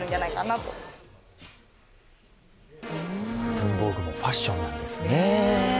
文房具もファッションなんですね。